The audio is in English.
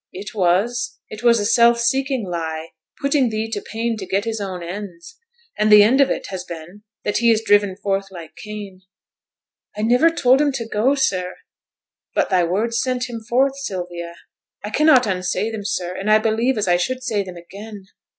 'It was. It was a self seeking lie; putting thee to pain to get his own ends. And the end of it has been that he is driven forth like Cain.' 'I niver told him to go, sir.' 'But thy words sent him forth, Sylvia.' 'I cannot unsay them, sir; and I believe as I should say them again.'